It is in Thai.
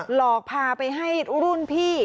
หลอกพาไปให้รุ่นพี่